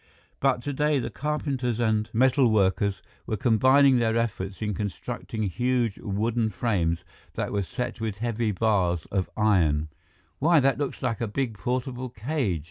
But today, the carpenters and metal workers were combining their efforts in constructing huge wooden frames that were set with heavy bars of iron. "Why, that looks like a big portable cage!"